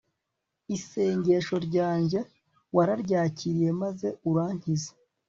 isengesho ryanjye wararyakiriye, maze urankiza